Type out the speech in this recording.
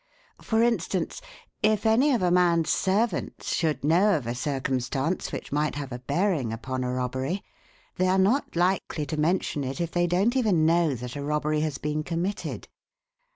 For instance: if any of a man's servants should know of a circumstance which might have a bearing upon a robbery they are not likely to mention it if they don't even know that a robbery has been committed.